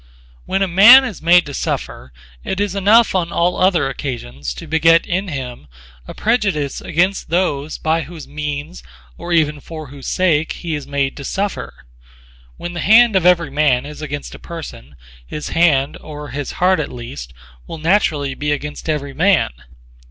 When a man is made to suffer it is enough on all other occasions to beget in him a prejudice against those by whose means or even for whose sake he is made to suffer. When the hand of every man is against a person, his hand, or his heart at least, will naturally be against every man.